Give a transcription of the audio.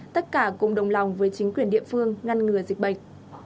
tất cả cùng đồng lòng với chính quyền địa phương ngăn ngừa dịch bệnh